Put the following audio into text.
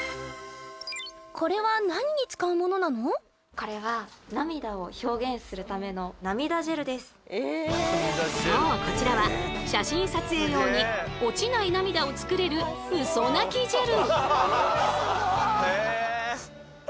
これはそうこちらは写真撮影用に落ちない涙を作れるウソ泣きジェル。